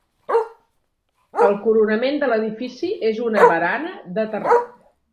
El coronament de l'edifici és una barana de terrat.